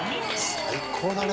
最高だね。